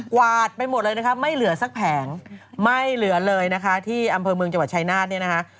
วาดไปหมดเลยนะคะไม่เหลือสักแผงไม่เหลือเลยนะคะที่อำเภอเมืองจังหวัดชายนาฏเนี่ยนะคะ